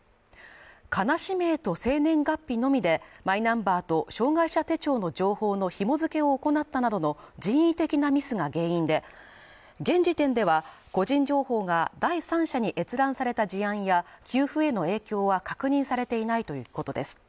かな氏名と生年月日のみで、マイナンバーと障害者手帳の情報の紐付けを行ったなどの人為的なミスが原因で、現時点では、個人情報が第三者に閲覧された事案や給付への影響は確認されていないということです。